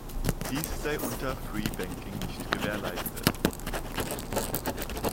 Dies sei unter Free Banking nicht gewährleistet.